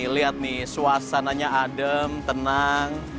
lihat nih suasananya adem tenang